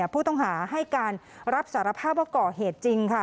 ผู้ต้องหาให้การรับสารภาพว่าก่อเหตุจริงค่ะ